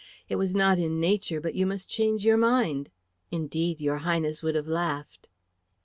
It was not in nature but you must change your mind. Indeed, your Highness would have laughed."